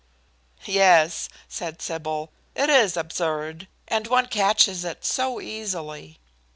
"Yes," said Sybil, "it is absurd, and one catches it so easily."